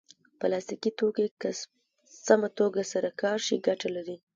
پلاستيکي توکي که سمه توګه سره کار شي ګټه لري.